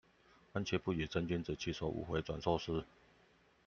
觀棋不語真君子，起手無回轉壽司